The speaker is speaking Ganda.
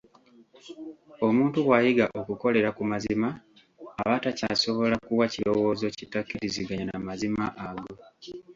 Omuntu bw'ayiga okukolera ku mazima, aba takyasobola kuwa kirowoozo kitakkirizaganya na mazima ago.